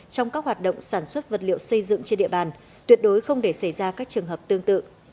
trong các hoạt động sản xuất vật liệu xây dựng trên địa bàn tuyệt đối không để xảy ra các trường hợp tương tự